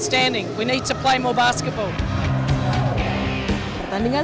jadi kami tidak mengejar untuk pertandingan